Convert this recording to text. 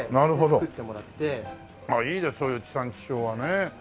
いいねそういう地産地消はね。